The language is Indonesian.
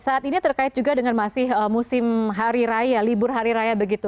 saat ini terkait juga dengan masih musim hari raya libur hari raya begitu